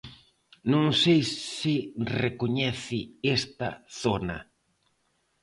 Non sei se recoñece esta zona.